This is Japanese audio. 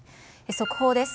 速報です。